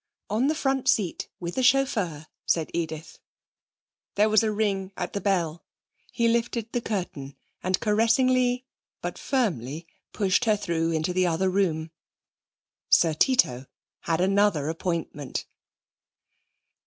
'On the front seat, with the chauffeur,' said Edith. There was a ring at the bell. He lifted the curtain and caressingly but firmly pushed her through into the other room. Sir Tito had another appointment.